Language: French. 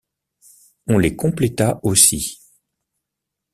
On les compléta aussi.